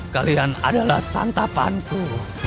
kalian adalah santapanku